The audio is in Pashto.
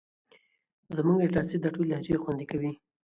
زموږ ډیټا سیټ دا ټولې لهجې خوندي کوي.